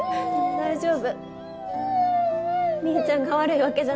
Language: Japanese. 大丈夫。